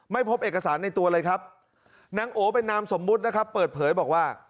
ไม่พบเอกสารในตัวเลยครับนางโอเป็นนามสมมุตินะครับเปิดเผยบอกว่า